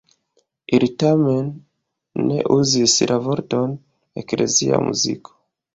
Ili tamen ne uzis la vorton „eklezia muziko“.